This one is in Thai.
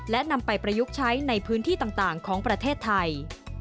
และนำไปประยุกต์ใช้ในพื้นที่ต่างของประเทศไทย